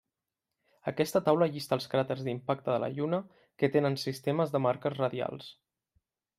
Aquesta taula llista els cràters d'impacte de la Lluna que tenen sistemes de marques radials.